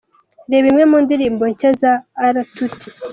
Reba imwe mu ndirimbo nshya za R Tuty.